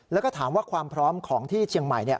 แล้วก็ถามว่าความพร้อมของที่เชียงใหม่